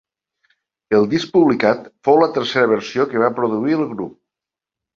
El disc publicat fou la tercera versió que va produir el grup.